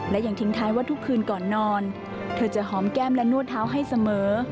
และยังทิ้งท้ายว่าทุกคืนก่อนนอนเธอจะหอมแก้มและนวดเท้าให้เสมอ